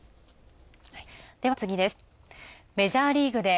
では次です